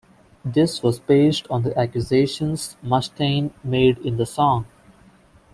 This was based on the accusations Mustaine made in the song.